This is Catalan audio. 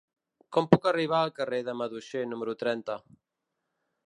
Com puc arribar al carrer del Maduixer número trenta?